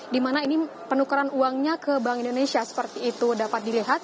di mana ini penukaran uangnya ke bank indonesia seperti itu dapat dilihat